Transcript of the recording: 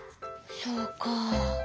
そうか。